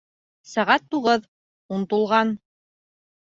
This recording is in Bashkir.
Сәғәт туғыҙ... ун тулған.